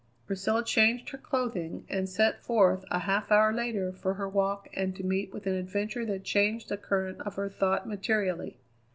Priscilla changed her clothing and set forth a half hour later for her walk and to meet with an adventure that changed the current of her thought materially.